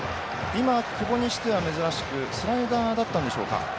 今久保にしては珍しくスライダーだったんでしょうか。